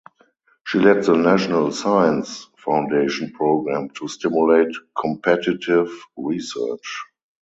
She led the National Science Foundation Program to Stimulate Competitive Research.